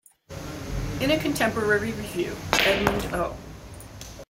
In a contemporary review, Edmund O.